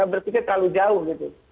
berpikir terlalu jauh gitu